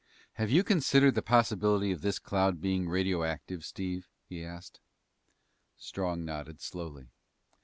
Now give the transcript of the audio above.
"Have you considered the possibility of this cloud being radioactive, Steve?" he asked. Strong nodded slowly.